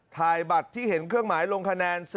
ถ่ายบัตรที่เห็นเครื่องหมายลงคะแนน